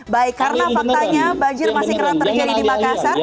baik karena faktanya banjir masih kerap terjadi di makassar